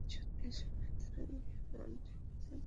এসময় তারা বিভিন্ন আড্ডায় মেতে উঠে।